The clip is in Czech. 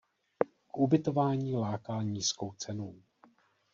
K ubytování láká nízkou cenou.